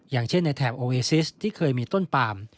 อย่างเช่นในแถบโอเวซิสที่เคยมีต้นปาม